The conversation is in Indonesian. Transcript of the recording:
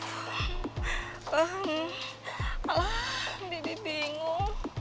alhamdulillah bibi bingung